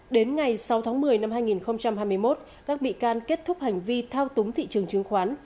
đến ngày sáu tháng một mươi năm hai nghìn hai mươi một các bị can kết thúc hành vi thao túng thị trường chứng khoán